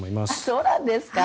そうなんですか？